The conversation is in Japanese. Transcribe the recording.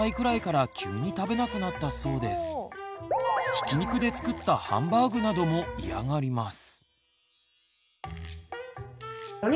ひき肉で作ったハンバーグなども嫌がります。